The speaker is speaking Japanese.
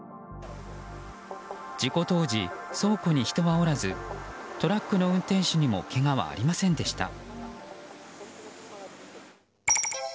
事故当時、倉庫に人はおらずトラックの運転手にもけがはありませんでした。